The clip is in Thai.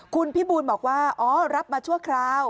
คุณพี่บูลบอกว่าอ๋อรับมาชั่วคราว